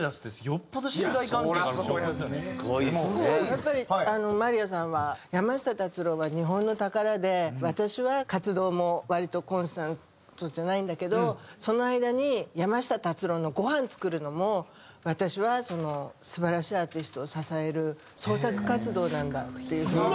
やっぱりまりやさんは「山下達郎は日本の宝で私は活動も割とコンスタントじゃないんだけどその間に山下達郎のごはん作るのも私は素晴らしいアーティストを支える創作活動なんだ」っていう風に。